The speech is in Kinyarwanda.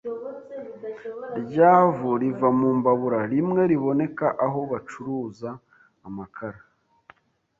rya vu riva mu mbabura, rimwe riboneka aho bacuruza amakara,